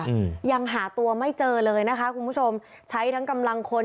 อืมยังหาตัวไม่เจอเลยนะคะคุณผู้ชมใช้ทั้งกำลังคน